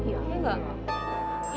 umi sama abalu